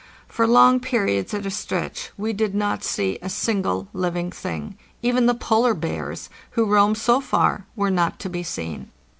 For long periods at a stretch we did not see a single living thing; even the polar bears, who roam so far, were not to be seen.